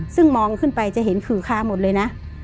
ซึ่งมองขึ้นไปจะเห็นขือคาหมดเลยนะ